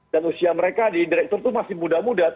dan usia mereka di direktur itu masih muda muda